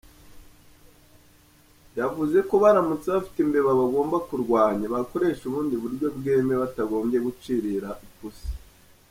Yavuze ko baramutse bafite imbeba bagomba kurwanya, bakoresha ubundi buryo bwemewe batagombye gucirira ipusi.